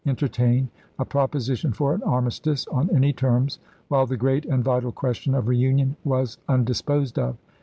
entertain a proposition for an armistice on any terms while the great and vital question of reunion was undisposed of.